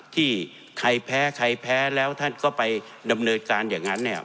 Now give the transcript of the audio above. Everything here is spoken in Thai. ที่ใครแพ้ใครแพ้แล้วท่านก็ไปดำเนินการอย่างนั้นเนี่ย